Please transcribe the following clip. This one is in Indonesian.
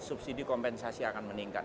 subsidi kompensasi akan meningkat